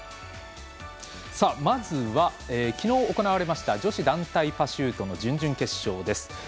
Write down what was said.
まずはきのう行われました女子団体パシュートの準々決勝です。